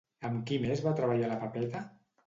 Amb qui més va treballar la Pepeta?